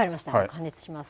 加熱します。